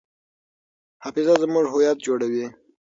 حافظه زموږ هویت جوړوي.